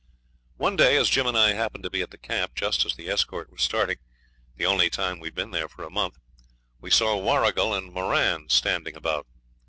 One day, as Jim and I happened to be at the camp just as the escort was starting, the only time we'd been there for a month, we saw Warrigal and Moran standing about.